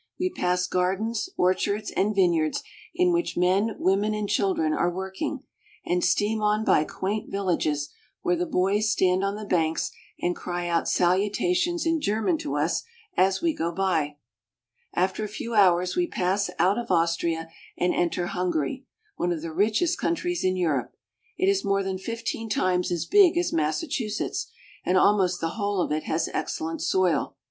We pass gardens, orchards, and vineyards in which men, women, and children are working, and steam on by quaint villages where the boys stand on the banks and cry out salutations in German to us as we go by. After a few hours we pass out of Austria and enter Hungary, one of the richest countries in Europe. It is more than fifteen times as big as Massachusetts; and al most the whole of it has excellent soil.